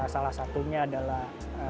salah satunya adalah